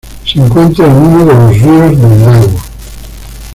Se encuentra en uno de los ríos del lago.